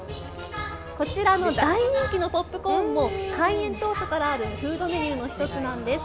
こちらの大人気のポップコーンも、開園当初からあるフードメニューの一つなんです。